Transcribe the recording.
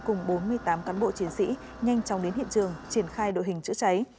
cùng bốn mươi tám cán bộ chiến sĩ nhanh chóng đến hiện trường triển khai đội hình chữa cháy